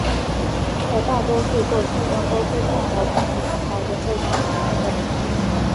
他的大多数作品中都出现了关于探讨人类存在的本质问题。